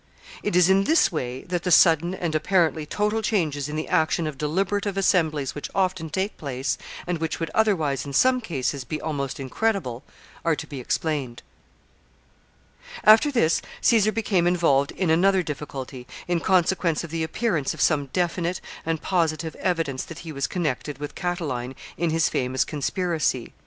It is in this way that the sudden and apparently total changes in the action of deliberative assemblies which often take place, and which would otherwise, in some cases, be almost incredible, are to be explained. [Sidenote: Caesar implicated in Catiline's conspiracy.] [Sidenote: He arrests Vettius.] After this, Caesar became involved in another difficulty, in consequence of the appearance of some definite and positive evidence that he was connected with Catiline in his famous conspiracy.